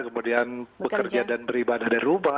kemudian bekerja dan beribadah dari rumah